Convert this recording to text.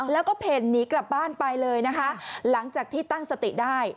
แล้วก็เพ่นหนีกลับบ้านไปเลยนะคะหลังจากที่ตั้งสติได้